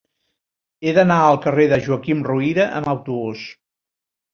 He d'anar al carrer de Joaquim Ruyra amb autobús.